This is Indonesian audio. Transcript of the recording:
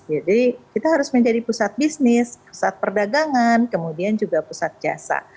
jadi kita harus menjadi pusat bisnis pusat perdagangan kemudian juga pusat jasa